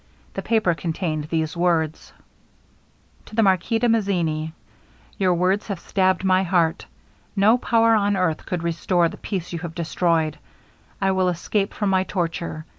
The paper contained these words: TO THE MARQUIS DE MAZZINI Your words have stabbed my heart. No power on earth could restore the peace you have destroyed. I will escape from my torture.